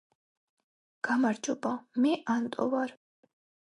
გამარჯობა მე ანტო ვარ